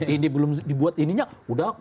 ini belum dibuat ininya udah